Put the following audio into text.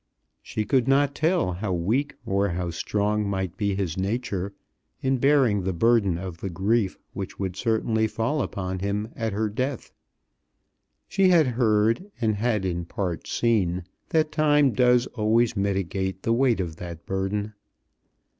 She could not tell how weak or how strong might be his nature in bearing the burden of the grief which would certainly fall upon him at her death. She had heard, and had in part seen, that time does always mitigate the weight of that burden.